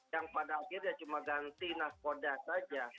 yang pada akhirnya cuma ganti nak kodak saja